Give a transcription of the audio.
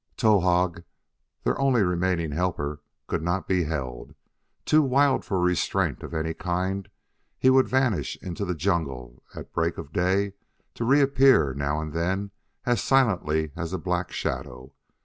Towahg, their only remaining Helper, could not be held. Too wild for restraint of any kind, he would vanish into the jungle at break of day to reappear now and then as silently as a black shadow.